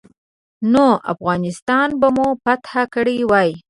نو افغانستان به مو فتح کړی وای.